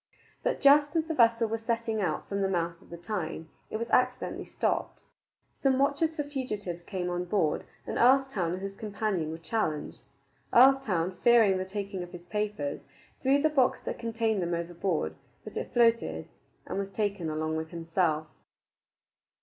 But just as the vessel was setting out from the mouth of the Tyne, it was accidentally stopped. Some watchers for fugitives came on board, and Earlstoun and his companion were challenged. Earlstoun, fearing the taking of his papers, threw the box that contained them overboard; but it floated, and was taken along with himself.